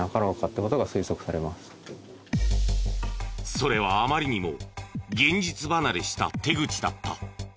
それはあまりにも現実離れした手口だった。